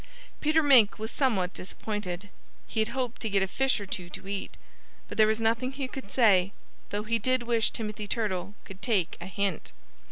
Peter Mink was somewhat disappointed. He had hoped to get a fish or two to eat. But there was nothing he could say, though he did wish Timothy Turtle could take a hint.